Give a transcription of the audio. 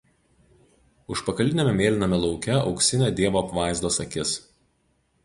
Užpakaliniame mėlyname lauke auksinė Dievo apvaizdos akis.